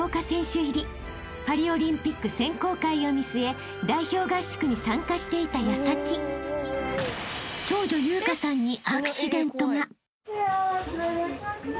［パリオリンピック選考会を見据え代表合宿に参加していた矢先長女由夏さんに］